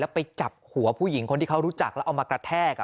ไปจับหัวผู้หญิงคนที่เขารู้จักแล้วเอามากระแทก